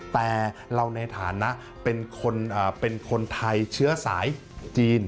แต่เราในฐานะเป็นคนไทยเชื้อสายจีน